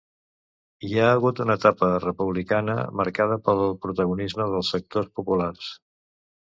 Hi ha hagut una etapa republicana marcada pel protagonisme dels sectors populars.